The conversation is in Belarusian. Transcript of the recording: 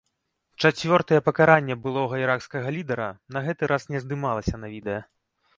Чацвёртая пакаранне былога іракскага лідара на гэты раз не здымалася на відэа.